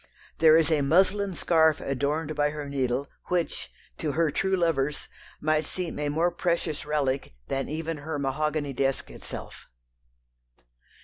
There is a muslin scarf adorned by her needle which, to her true lovers, might seem a more precious relic than even her mahogany desk itself.